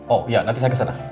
oh iya nanti saya kesana